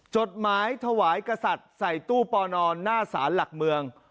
จดหมายถวายกษัตริย์ใส่ตู้ปอนอนหน้าสารหลักเมือง